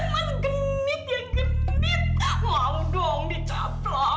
mas genit ya genit mau dong dicaplok